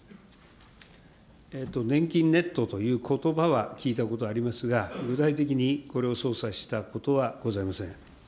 ねんきんネットということばは聞いたことありますが、具体的にこれを操作したことはございません。